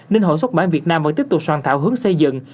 nên hội xuất bản việt nam vẫn tiếp tục soạn thảo hướng xây dựng